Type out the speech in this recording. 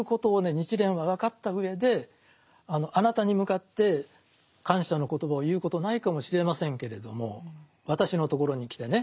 日蓮は分かったうえであなたに向かって感謝の言葉を言うことないかもしれませんけれども私のところに来てね